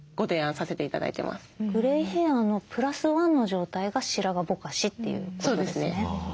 グレイヘアのプラスワンの状態が白髪ぼかしということですね。